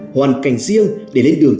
hoàn cảnh riêng để lên đường